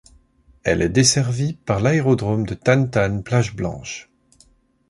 Elle est desservie par l'aérodrome de Tan Tan-Plage Blanche.